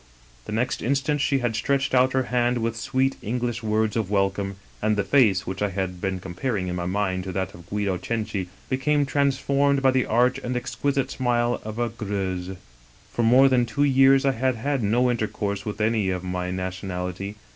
" The next instant she had stretched out her hand with sweet English words of welcome, and the face, which I had been comparing in my mind to that of Guido's Cenci, became transformed by the arch and exquisite smile of a Greuse. For more than two years I had had no intercourse with any of my nationality.